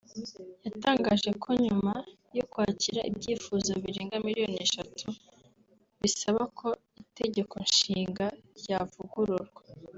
yatangaje ko nyuma yo kwakira ibyifuzo birenga miliyoni eshatu bisaba ko itegekonshinga ryavugururwa